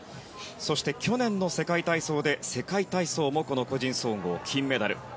そして、去年の世界体操で世界体操もこの個人総合、金メダル。